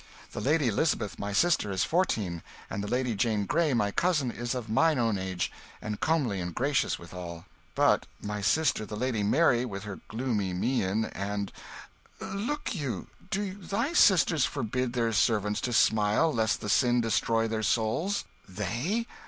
"The Lady Elizabeth, my sister, is fourteen, and the Lady Jane Grey, my cousin, is of mine own age, and comely and gracious withal; but my sister the Lady Mary, with her gloomy mien and Look you: do thy sisters forbid their servants to smile, lest the sin destroy their souls?" "They?